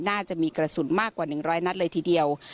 น่าจะมีกระสุนมากกว่า๑๐๐นัดเลยทีเดียว